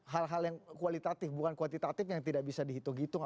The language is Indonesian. hal hal yang kualitatif bukan kuantitatif yang tidak bisa dihitung hitung